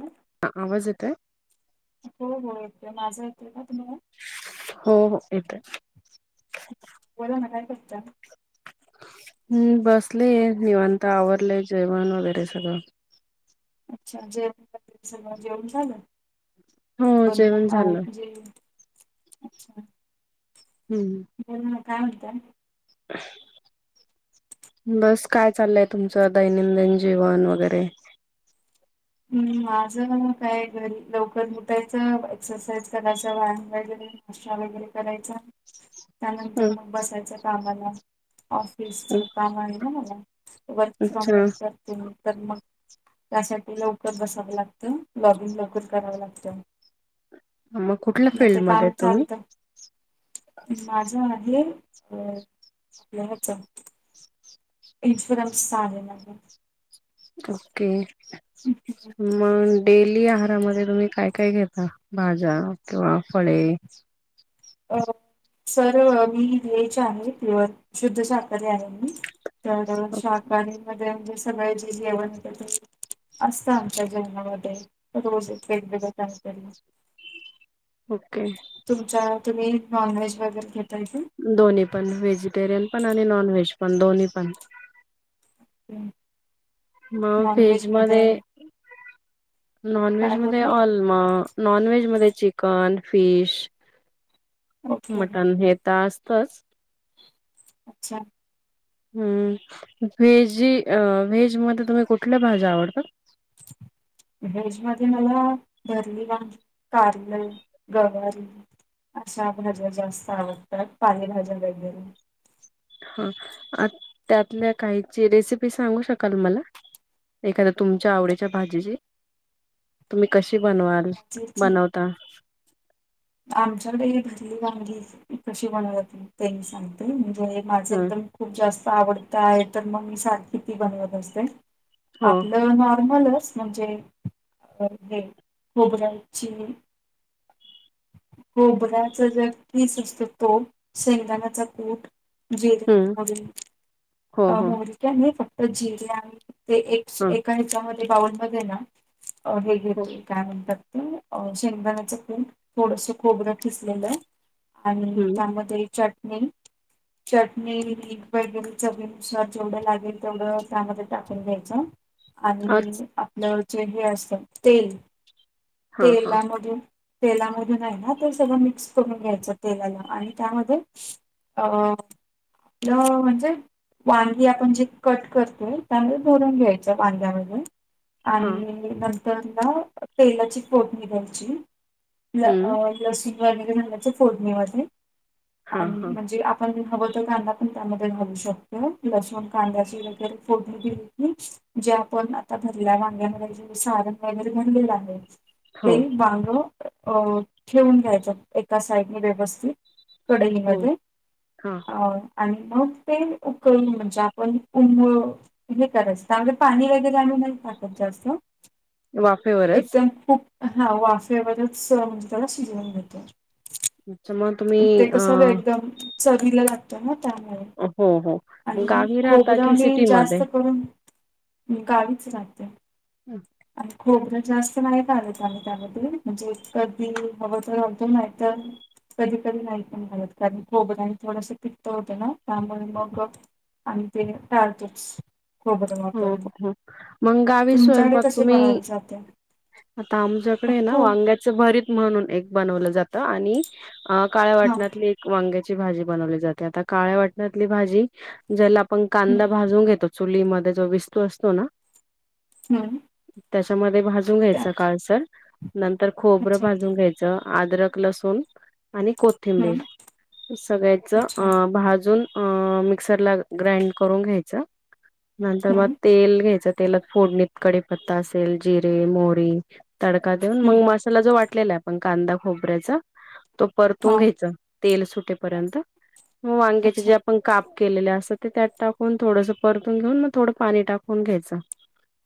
हो हा आवाज येतोय? हो येतोय माझं येतोय का तुम्हाला. हो हो येते. बोला ना काय करता. हम्म बसले निवांत आवरलेय जेवण वगैरे सगळं. अच्छा जय सगल जेवन झालं. हो बनवून जेवण झालं. आहजेच्छ. हम. बोला ना काय म्हणता. बस काय चाललंय तुमचं दैनंदिन जीवन वगैरे. हम् माझं काय घरी लवकर उठायचं एक्सरसाईज करायच्या वयान वगैरे. नाश्ता वगैरे करायचा. त्यानंतर हम्म मग बसायचं कामाला ऑफिसच हम्म काम आहे ना मला. वर्क फ्रॉम अच्छा व करते मी तर मग त्यासाठी लवकर बसाव लागत. हम लॉगिंग लवकर करावं लागतं. मग कुठल्या म ते फील्डमध्ये काम आहेत तुम्ही? चालतं. माझा आहे अ आपल्या हे च इथपरम सहा आलेलं आहे. ओके. मग डेली आहारामध्ये तुम्ही काय काय घेता भाज्या किंवा फळे? अ, सर मी व्हेज आहे प्युअर, शुद्ध साखरी आहे मी. तर शाकाहारीमध्ये म्हणजे सगळ्या जे जेवण येत ते असतं आमच्या जेवणामध्ये, रोज एक वेगवेगळं काहीतरी. ओके. तुमच्या तुम्ही नॉनव्हेज वगैरे घेताय काय? दोनही पण व्हेजिटेरियन पण आणि नॉन व्हेज पण दोन्ही पण. हम्म. म वेज मधे नॉनव्हेज काय मध्ये बोललात? अल्म नॉनव्हेज मध्ये चिकन, फिश. ओके मटण हे तर असतच. अच्छा. हम्म, व्हेजी अ व्हेजमध्ये तुम्ही कुठल्या भाज्या आवडतात? वेज मध्ये मला, भरली वा कारल, गवारी. अशा भाज्या जास्त आवडतात पालेभज्या वगैरे. हा अ त्यातल्या काहीची रेसिपी सांगू शकाल मला? एखाद्या तुमच्या आवडीच्या भाजीची, तुम्ही कशी बनवाल, गाजरची बनवता. आमच्याकडे भरली वांगी कशी बनवतात, ते मी सांगते म्हणजे माझं ह एकदम खूप जास्त आवडत आहे तर मग मी सारखि ती बनवत असते. हो आपलं नॉर्मलच म्हणजे, हे खबऱ्याची खोबऱ्याच जे कीस असतो तो, शैदानाचा कूट. जिरे, हम्म मोहरी, हो हो मोहरी का नाही फक्त जिरे आणि ते एक हा एका हितामध्ये बाऊलमध्ये ना हे हो घेतो काय म्हणतात [unintelligible] अ शेंगदाण्याचं कूट थोडस खोबरं खिसलेल. आणि हम्म त्यामध्ये चटणी [inaudible] चटणी, मीठ वैगेर चवी नुसार जेवढं लागेल तेवढं त्यामध्ये टाकून घ्यायचं. आज आणि आपलं जे हे असत तेल, हा हा तेलामधून तेलामधून हाय ना ते सगळं मिक्स करून घ्यायचं तेलाला आणि त्यामध्ये अ, ल म्हणजे वांगी आपण जे कट करतोय त्यामध्ये भरून घ्यायच वांग्यामध्ये. हा आणि नंतर न तेलाची फोडणी द्यायची. ल हम्म - लसूण वगैरे घालायचं फोडणीमध्ये, हा आणि हा म्हणजे आ पण हवं तर कांदा पण त्यामध्ये घालू शकतो लसून कांद्याची वगैरे फोडनी दिली की जे आपण आता भरल्या वांग्यामध्येे सारण वगैरे भरलेलं आहे. ते हो वांग, अ ठेवून घ्यायच एका साईड मधे व्यवस्थित. हो कडईमध्ये, हा अ आणि मग तेल उकळून म्हणजे आपण उम हे करायच तर पाणी वगैरे आम्ही नाही टाकत जास्त. वाफेवरच एकदम खूप हा वाफेवरच म्हणजे त्याला शिजऊन घेतो. अच्छा मग तुम्ही ते अ कस एकदम चवीला लागतं ना त्यामुळे. हो हो मग आणि गावी राहता खोबरं की आम्ही सिटीमध्ये जास्त करून गावीच राहते. हां. आणि खोबरं जास्त नाही का आलतो आम्ही त्यामध्ये म्हणजे कदी हवं तर रातो नाहीत कधी कधी नाही पण घालत, कारण खोबराने आणि थोडसं पित्त होतं ना. तबार मोग आणि ते टारगटऽ हो, हो, हो मग गावी तुमच्याकडे स्वयंपाक कसे तुम्ही, बनवले जाते? आता आमच्याकडे आहे ना, हो वांग्याऽ च भरीत म्हणून एक बनवलं जात, आणि काळ हा वाटणातलीऽ वांग्याची भाजी बनवली जाते, आता काळ्या वाटणातली भाजी, ज्याला आपण कांदा हम्म भाजून घेतो. चुलीमध्ये जो विस्तव असतो ना, हम्म, त्याच्यामध्ये भाजून घ्यायच त्या काळसर नंतर खोबरं अच्छा भाजून घ्यायचं च अदरक, लसूण, आणि कोथिंबीर, हम्म सगळ्याचं अच्छा अ भाजून, अ मिक्सर ला ग्राइंड करून घ्यायचं. नंतर मग हम्म तेल घ्यायचं, तेलात फोडणीत कडेपत्ता असेल जिरे, मोहरी, तडका देऊन, मग हम्म मसाला जो वाटलेला आहे पण कांदा खोबऱ्याचा,, तो परतून हा घ्यायचा, तेल सुटेपर्यंत, मग वांग्याचे अच्छा जे आपण कापऽ केलेले असतात ते, त्यात टाकून थोडस परतून घेऊन मगऽ थोडं पाणी टाकून घ्यायचं,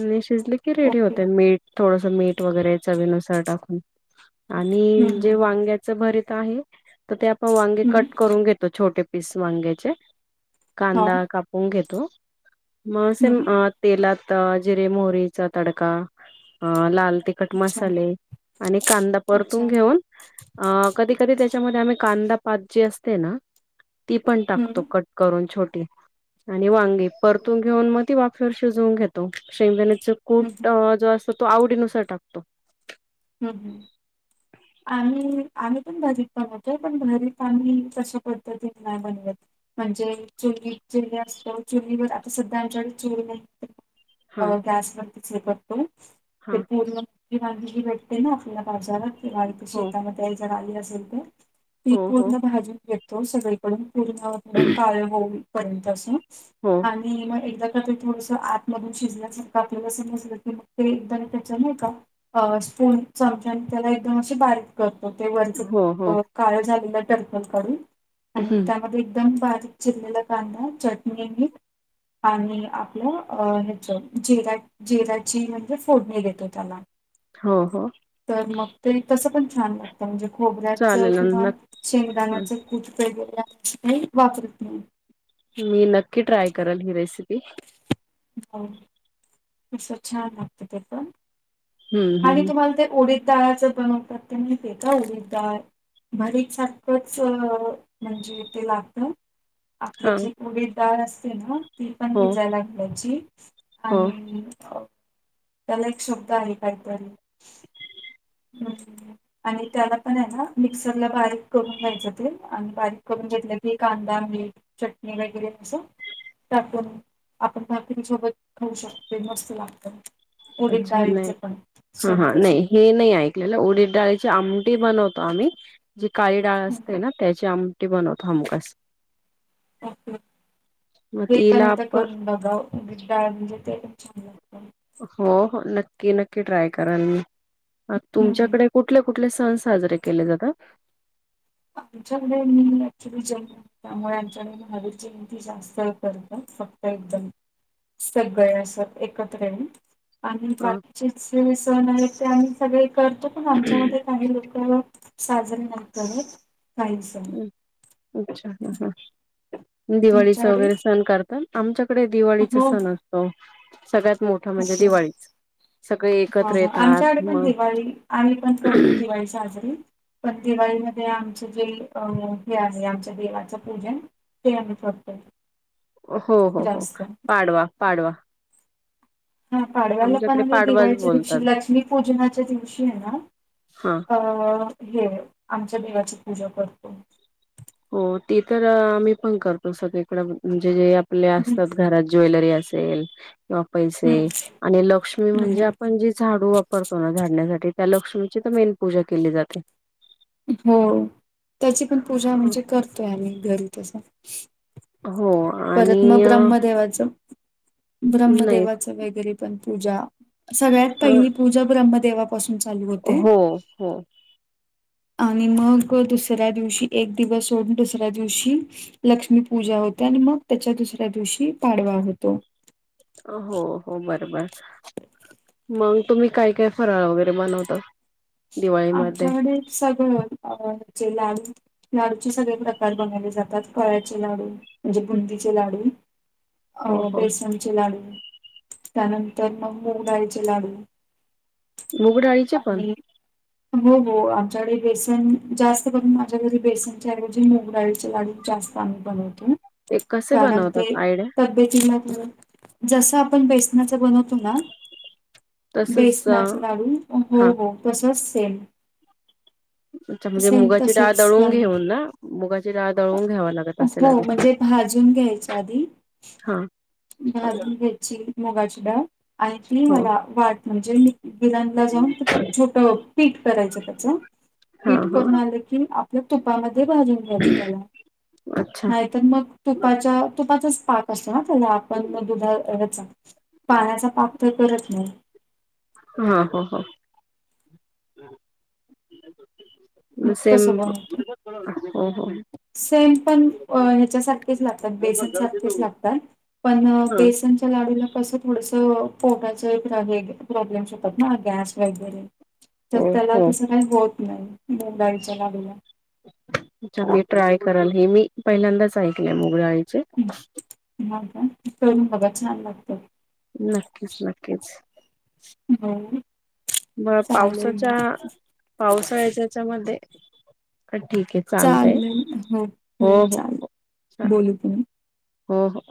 आणि शिजले की रेडी ओके होतय,, मीठ, थोडस मीठ. वगैरे चवीनुसार टाकून, आणि हम्म जे हम्म वांग्याच भरीत आहे, तर ते आपण वांगे हम्म हम्म कट करून घेतो, छोटे पीस वांग्याचे, हा कांदा कापऽ पुं गे तो, मग असेम हम्म तेलात जिरे, मोहरीचा तडका, लाल तिखऽ कट अच्छा मसाले, आणि कांदा अच्छा परतून घेऊन, अ कधी कधी त्याच्यामध्ये आम्ही कांदा पात जी असते ना,, ती पण टाकतो, हम्म कट करून छोटी, आणि वांगी हम्म परतून घेऊन मग ती वाज्ञऽ फेवर शिजवून घेतो, शेवदाणेच कूट, हम्म जो असतो तो आवडीनुसार टाकतो. हम् हम्, ह, आम्ही, आम्ही पण भरीत बनवतोय, पण भरीत आम्ही तशा पद्धतीतन नाही बनवत. म्हणजे, चुली, चुली असतो, चुलीवर आता सध्या आमच्याकडे चुली नाही. अ हा गॅसवरतीच उकडतो, ते हा पूर्ण भऽ आपल्या बाजारला, किंवा हो शेतामध्ये जर आली असेल, तर ती हो हो पूर्ण भाजूनऽ तो सगळीकडून पूर्ण आपलं काळ होऊ पर्यंत असं, हो, आणि, मग एकदा का ते थोडस आतमधून शिजण्यासारखं आपल्याला समजल की मग ते एकदा त्या चा आहे का, अ स्ून चमचा ने, त्याला एकदम अशी बारीक करतो, ते हो हो वरचऽ काळ झालेलं टरफट काढून, आणि हं. त्यामध्ये एकदम बारीकऽ चिरलेला कांदा, चटणी, मीठ आणि आपलं अ ह्याच जिरा्याऽ जिराची म्हणजे फोडणी देतो त्याला. हो, हो, तर मग ते तसं पण छान लागतं म्हणजे, खोबऱ्याचं चालेल किंवा न शेंगदाण्याचं,, कुठ का गर नाही वापरत नाही. मी नक्की ट्राय करेल ही रेसिपी. हो, आसं छान लागत ते पण. हम्म आणि हम्म तुम्हाला ते ऊडीदडाळचं बनवतात ते माहतय का, ऊडीदडाळऽ भरीय सारखंच म्हणजे ते लागतय, आपली हा जे उडीदडाळ असते ना, ती पण हो भिजायला घ्यालायची हो आणि, त्याला एक शब्द आहे, कायतरऽ आणि त्याला पण आहे ना, मिक्सरला बारीक करून घ्यायचं ते आणि बारीक करून घेतलं की कांदा मीठ. चटणी वगैरे अससं. त्या टाकून आपण भाकरी सोबत खाऊ शकते मस्त लागत. उडीद अच्छा डाळीचे नाही पण हा सेम हा तसं नाही च. हे नाही ऐकलेलं उडीद डाळीची आमटी बनवतो आम्ही. जी काळी डाळ हं, असते ना त्याची आमटी बनवतो हमखास. पापलेट मग ते तिला पण एकदा आपण करून बघावा. उडीदडाळ म्हणजे तेप छान लागत. हो, नक्की, नक्की ट्राय करल मी, हम्म. तुमच्याकडेऽ कुठले कुठले सण साजरे केले जातात. मी क्चुली जैन. त्यामुळे आमच्याकडे महावीरची भिंती जास्त करतात फत. एकदम सगळे असं एकत्र ये आणि बा हा चि बसण आहे ते आम्ही सगळे करतो पण आमच्यामध्ये. काही लोक साजर नत काहीच. हम् अच्छा ह् हम्. दिवाळीच तुमच्याकडे वगैरे सण करतात आमच्याकडे दिवाळीचा हो सण असतो. सगळ्यात मोठं म्हणजे दिवाळीच. सगळे एकत्र हो येतात आमच्याकडे पण मग दिवाळी आम्ही पण करतो दिवाळी साजरी. पण दिवाळीमध्ये आमचे जे हे आहे आमच्या देवाचं पूजन. ते आम्ही करतो. हो हो हो जास्त. पाडवा पाडवा. हा पाडव्याला पण आमच्याकडे हि पाडवाच दिवाळीच्या दिवशी बोलतात लक्ष्मी पूजनाच्या दिवशी आहे ना. हा अं हे आमच्या देवा ची पूजा करतो. हो ते तर आम्ही पण करतो सगळीकड म्हणजे जे. आपले हम्म असतात घरात ज्वेलरी असेल. किंवा पैसे हम्म आणि लक्ष्मी हम्म, म्हणजे हम्म. आपण ज.. झाडू वापरतो ना झाडण्यासाठी त्या लक्ष्मीची तर मेन पूजा केली जाते. हो त्याची पण पूजा अ, म्हणजे करतोय आम्ही घरी तस. हो आणि परत मग अ, ब्रह्मदेवाचं नाही ब्रह्मदेवाचं वगैरे पण पूजा. सगळ्यात अ, पहिली पूजा ब्रह्मदेवापासून चालू होते. हो [inaudible] आणि मग दुसऱ्या दिवशी एक दिवस सोडून दुसऱ्या दिवशी. लक्ष्मी पूजा होते्या आणि मग त्याच्या दुसऱ्या दिवशी पाडवा होतो. हो हो बर बर मग तुम्ही काय काय फराळ वगैरे बनवता. दिवाळीमध्ये आमच्याकडे सगळं अ जे ला डु. लाडूचे सगळे प्रकार बनवले जातात कळ्याचे लाडू म्हणजे बुंदीचे लाडू. हो अ हो बेसनचे लाडू त्यानंतर मग मुंगडाईचे लाडू. मुघडाळीचे पण आणि हो हो आमच्याकडे बेसन जास्त पण माझ्या घरी बेसनच्याऐवजी मुगा डाळीचे लाडू जास्त आम्ही बनवतो ते कसे कारण ते बनवतात आयडिया तबेतिला मग जसं आपण बेसनाचं बनवतो ना तसच बेसनाच लाडू हो हा हो तसंच सेम अच्छा म्हणजे सेम मुगाची डाळ तसच दळवून बनव घेऊन ना मुगाची डाळ दळून घ्यावा लागत असेल हो आधी म्हणजे भाजून घ्यायच्या आधी हा भाजून घ्यायची मुगाची डाळ आणि ती हो याला वाट म्हणजे मी गिरण ला जाऊन छोट पीठ करायचं त्याच हा पीठ हा करून आले क कि आपल्या तुपामध्ये भाजून घ्यायचं त्याला अच्छा नाही मग तुपाच्या तुपाचाच पाक असं ना त्याला आपण म दुधा पाण्याचा पाक तर करत नाही ह ह हो मग सेम तसं बनवतो. हो हो सेम पण ह्याच्या सारखेच लागतात बेसन सारखेच लागतात पण हा बेसन लाडूला कस थोडस पोट प्रॉब्लेम होतात ना गॅस वगैरे तर हो त्याला हो तसं काही होत नाही मुग. डाळीच्या लाडूला अच्छा मी ट्राय कराल हे मी पहिल्यांदाच ऐकलंय मुगडाळीचे हा का करून बघा छान लागत नक्कीच नक्कीच हो म चालेल पावसाच्या मग पावसाळ्या त्याच्यामध्ये ठीक आहे चालतय चालेल ह ह हो हो चाले हो बोलू पण हो हो